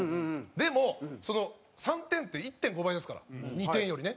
でも、３点って１．５倍ですから、２点よりね。